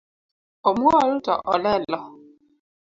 Omuol to olelo